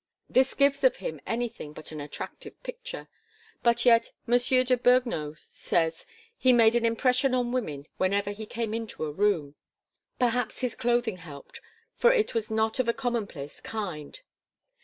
This gives of him anything but an attractive picture; but yet M. de Beugnot says: "he made an impression on women whenever he came into a room." Perhaps his clothing helped, for it was not of a commonplace kind.